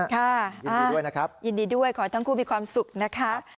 ขอให้ทั้งคู่มีความสุขนะคะ